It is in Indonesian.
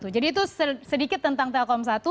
jadi itu sedikit tentang telkom satu